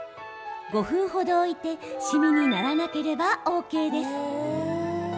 ５分程置いてしみにならなければＯＫです。